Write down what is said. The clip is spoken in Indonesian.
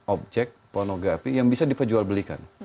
objek pornografi yang bisa diperjualbelikan